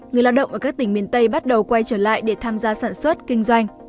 người lao động ở các tỉnh miền tây bắt đầu quay trở lại để tham gia sản xuất kinh doanh